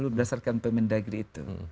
lu berdasarkan pemen dagri itu